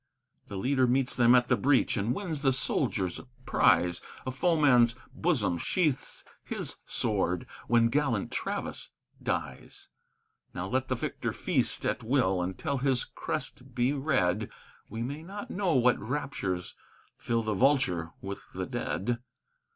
The leader meets them at the breach, and wins the soldier's prize; A foeman's bosom sheathes his sword when gallant Travis dies. Now let the victor feast at will until his crest be red We may not know what raptures fill the vulture with the dead.